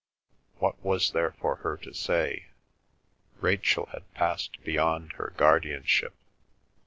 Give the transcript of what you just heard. What was there for her to say? Rachel had passed beyond her guardianship.